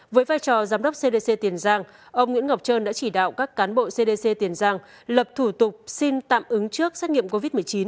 với vai trò giám đốc cdc tiền giang ông nguyễn ngọc trân đã chỉ đạo các cán bộ cdc tiền giang lập thủ tục xin tạm ứng trước xét nghiệm covid một mươi chín